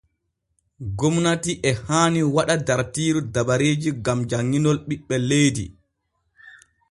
Gomnati e haani waɗa dartiiru dabareeji gam janŋinol ɓiɓɓe leydi.